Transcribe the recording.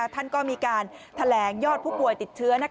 ท่านก็มีการแถลงยอดผู้ป่วยติดเชื้อ